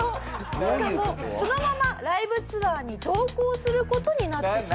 しかもそのままライブツアーに同行する事になってしまった。